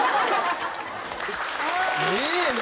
いいね！